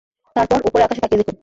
তারপর, উপরে আকাশে তাকিয়ে দেখুন!